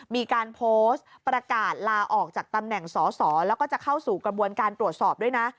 มีการโพสต์ประกาศลาออกจากตำแหน่งสอสอแล้วก็จะเข้าสู่กระบวนการตรวจสอบด้วยนะ